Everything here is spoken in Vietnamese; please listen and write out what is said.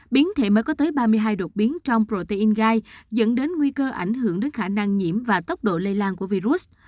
biến thể mới có tới ba mươi hai đột biến trong protein gai dẫn đến nguy cơ ảnh hưởng đến khả năng nhiễm và tốc độ lây lan của virus